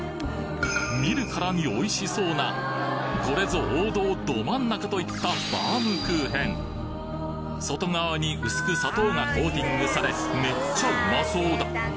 見るからに美味しそうなこれぞ王道ど真ん中といったバームクーヘン外側に薄く砂糖がコーティングされめっちゃうまそうだ